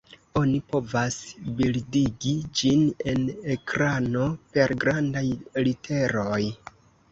Oni povas bildigi ĝin en ekrano per grandaj literoj.